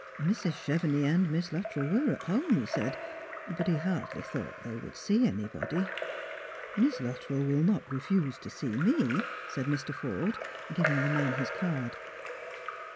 Mrs. Chevenix and Miss Luttrell were at home, he said, but he hardly thought they would see anybody. " Miss Luttrell will not refuse to see me," said Mr. Forde, giving the man his card.